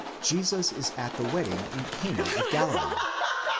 1), Jesus is at the wedding in Cana of Galilee.